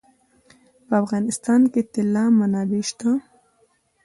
په افغانستان کې د طلا منابع شته.